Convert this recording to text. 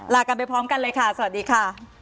ลากันไปพร้อมกันเลยค่ะสวัสดีค่ะ